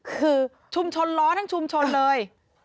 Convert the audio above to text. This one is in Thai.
คือชุมชนล้อทั้งชุมชนเลย